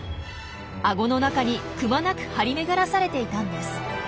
アゴの中にくまなく張り巡らされていたんです。